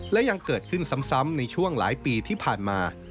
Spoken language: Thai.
และยังเกิดขึ้นซ้ำในช่วงหลายปีที่ผ่านมา